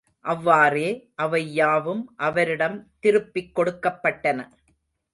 அவ்வாறே, அவை யாவும் அவரிடம் திருப்பிக் கொடுக்கப்பட்டன.